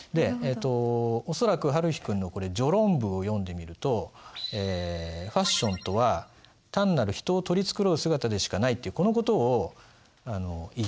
恐らくはるひ君のこれ序論文を読んでみると「ファッションとは単なる人を取り繕う姿でしかない」っていうこの事を言いたいんだよね。